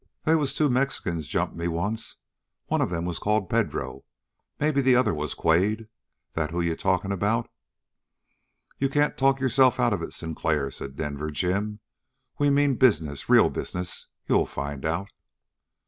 "They was two Mexicans jumped me once. One of 'em was called Pedro. Maybe the other was Quade. That who you're talking about?' "You can't talk yourself out of it, Sinclair," said Denver Jim. "We mean business, real business, you'll find out!"